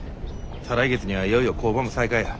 再来月にはいよいよ工場も再開や。